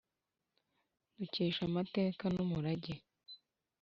Dukesha amateka n’umurage.